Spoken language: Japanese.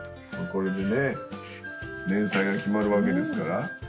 これでね連載が決まるわけですから。